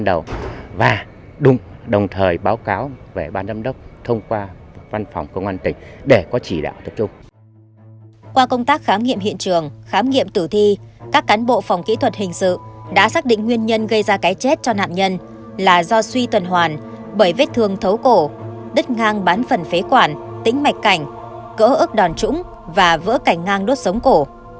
trong một tiệm tử thi các cán bộ phòng kỹ thuật hình sự đã xác định nguyên nhân gây ra cái chết cho nạn nhân là do suy tuần hoàn bởi vết thương thấu cổ đứt ngang bán phần phế quản tính mạch cảnh cỡ ức đòn trũng và vỡ cảnh ngang đốt sống cổ